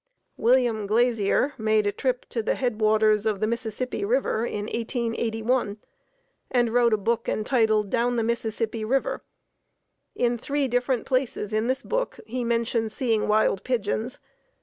William Glazier made a trip to the headwaters of the Mississippi River in 1881 and wrote a book entitled "Down the Mississippi River." In three different places in this book he mentions seeing wild pigeons.